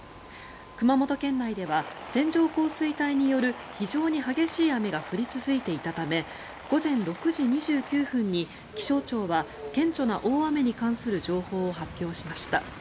熊本県内では線状降水帯による非常に激しい雨が降り続いていたため午前６時２９分に、気象庁は顕著な大雨に関する情報を発表しました。